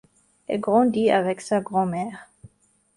Elle grandit avec sa grand-mère.